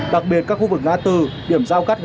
đặc biệt các khu vực ngã tư điểm giao cắt gần các bến xe